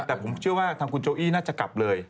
แต่ผมเชื่อว่าทางคุณโจอี้น่าจะกลับเลย